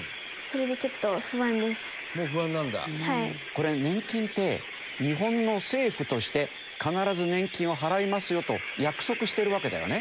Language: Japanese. これ年金って日本の政府として必ず年金を払いますよと約束してるわけだよね。